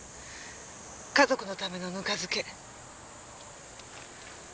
家族のためのぬか漬け。